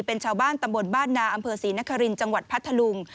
เป็นชาวบ้านตำบลบ้านนาอำเภอศรีนครินทร์จังหวัดพัทธลุง